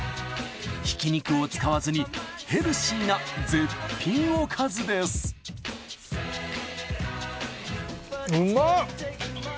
ひき肉を使わずにヘルシーな絶品おかずですうまっ！